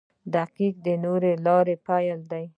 • دقیقه د نوې لارې پیل دی.